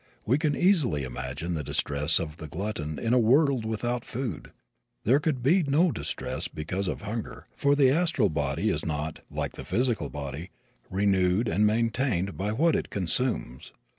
We can easily imagine the distress of the glutton in a world without food. There could be no distress because of hunger, for the astral body is not, like the physical body, renewed and maintained by what it consumes.